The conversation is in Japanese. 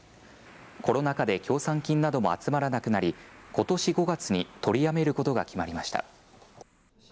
コロナ禍で協賛金なども集まらなくなり、ことし５月に取りやめることが決まりました。